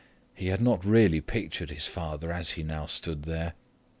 He had not really pictured his father as he now stood there.